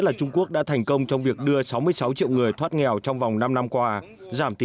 là trung quốc đã thành công trong việc đưa sáu mươi sáu triệu người thoát nghèo trong vòng năm năm qua giảm tỷ